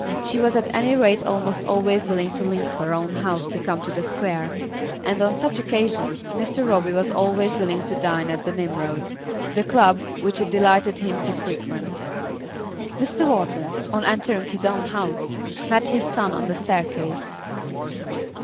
She was at any rate almost always willing to leave her own house to come to the Square, and on such occasions Mr. Roby was always willing to dine at the Nimrod, the club which it delighted him to frequent. Mr. Wharton, on entering his own house, met his son on the staircase.